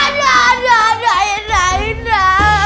aduh aduh aduh indra indra